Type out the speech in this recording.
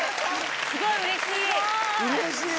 すごいうれしい。